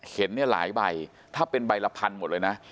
เห็นเนี่ยหลายใบถ้าเป็นใบละพันหมดเลยนะ